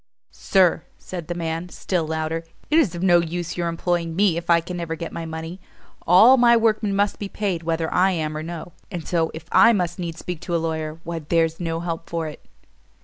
"Sir," said the man, still louder, "it is of no use your employing me, if I can never get my money. All my workmen must be paid whether I am or no; and so, if I must needs speak to a lawyer, why there's no help for it."